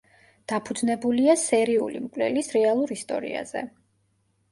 დაფუძნებულია სერიული მკვლელის რეალურ ისტორიაზე.